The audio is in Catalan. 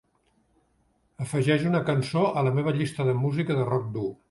afegeix una cançó a la meva llista de música de rock dur